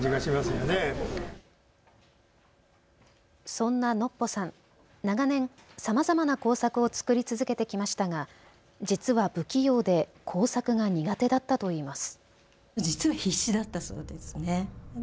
そんなノッポさん、長年、さまざまな工作を作り続けてきましたが実は不器用で工作が苦手だったといいます。